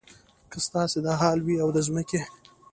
که ستاسې دا حال وي او د ځمکې.